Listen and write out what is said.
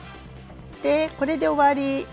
でこれで終わり。